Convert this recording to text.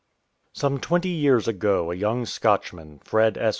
SOME twenty years ago a young Scotchman, Fred S.